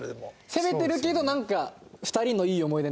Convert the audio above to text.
攻めてるけどなんか。